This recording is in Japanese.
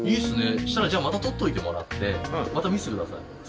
そしたらまた撮っといてもらってまた見せてください